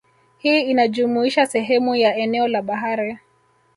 Hii inajumuisha sehemu ya eneo la bahari